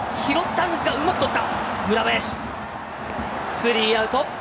スリーアウト。